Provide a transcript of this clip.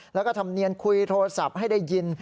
แล้วก็ธรรมเนียนคุยโทรศัพท์ให้ได้ยิน